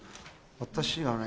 私はね